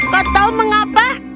kau tahu mengapa